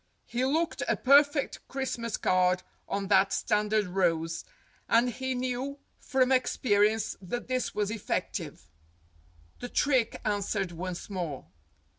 He looked a perfect Christmas card on that standard rose, and he knew from experience that this was effective. The trick answered once more.